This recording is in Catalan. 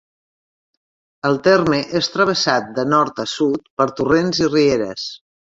El terme és travessat de nord a sud per torrents i rieres.